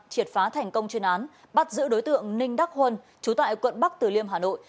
triệt phá thành công chuyên án bắt giữ đối tượng ninh đắc huân chú tại quận bắc từ liêm hà nội